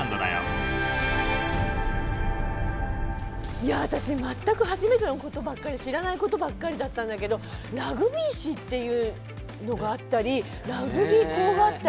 いや私全く初めてのことばっかり知らないことばっかりだったんだけどラグビー市っていうのがあったりラグビー校があったり。